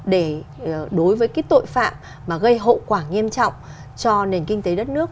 để đối với cái tội phạm mà gây hậu quả nghiêm trọng cho nền kinh tế đất nước